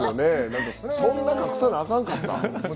そんなに隠さなあかんかった？